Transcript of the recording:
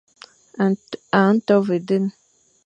A nto ve den.